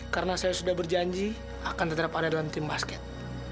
karena saya sudah berjanji akan tetap ada dalam tim basket